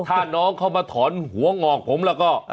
ถ้าน้องเข้ามาถอนหัวงอกผมแล้วก็